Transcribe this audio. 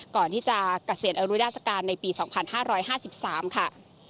ก่อนที่จะเกษียณอายุราชการในปี๒๕๕๓ค่ะ